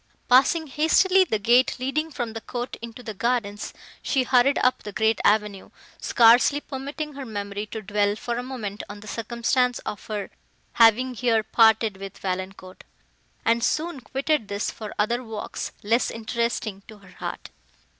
Passing hastily the gate leading from the court into the gardens, she hurried up the great avenue, scarcely permitting her memory to dwell for a moment on the circumstance of her having here parted with Valancourt, and soon quitted this for other walks less interesting to her heart.